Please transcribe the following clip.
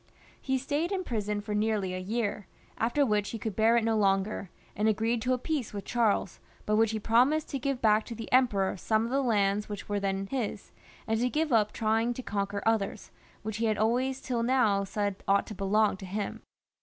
He stayed in prison for nearly a year, after which he could bear it no longer, and agreed to a peace with Charles, by which he promised to give back to the Emperor some of the lands which were then his, and to give up trying to conquer others, which he had always till now said ought to belong to him.